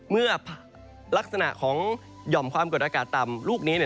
เมื่อลักษณะของหย่อมความกดอากาศต่ำลูกนี้